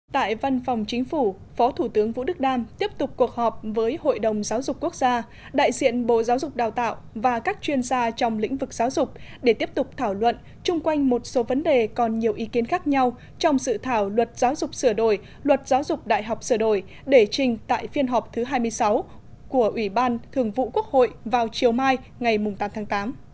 tại văn phòng chính phủ phó thủ tướng vũ đức đam tiếp tục cuộc họp với hội đồng giáo dục quốc gia đại diện bộ giáo dục đào tạo và các chuyên gia trong lĩnh vực giáo dục để tiếp tục thảo luận chung quanh một số vấn đề còn nhiều ý kiến khác nhau trong sự thảo luật giáo dục sửa đổi luật giáo dục đại học sửa đổi để trình tại phiên họp thứ hai mươi sáu của ủy ban thường vụ quốc hội vào chiều mai ngày tám tháng tám